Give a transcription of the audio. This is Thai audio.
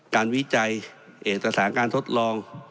วิจัยเอกสารการทดลอง